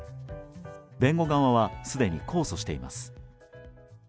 弁護側はすでに控訴しています。